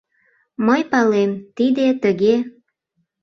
— Мый палем, тиде тыге...